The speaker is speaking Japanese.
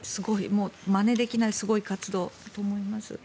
もうまねできないすごい活動と思います。